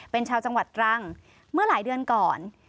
เป็นชาวจังหวัดตรังเมื่อหลายเดือนก่อน